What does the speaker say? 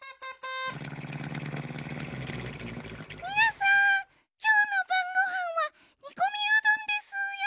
みなさんきょうのばんごはんはにこみうどんですよ。